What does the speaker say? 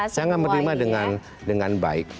sangat menerima dengan baik